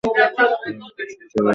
ফলে তার শৈশব এবং কৈশোর কেটেছে ভারতে।